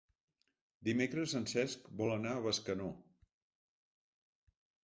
Dimecres en Cesc vol anar a Bescanó.